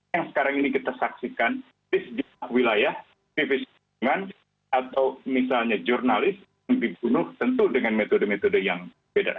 yang sekarang ini kita saksikan di sejumlah wilayah divisingan atau misalnya jurnalis yang dibunuh tentu dengan metode metode yang beda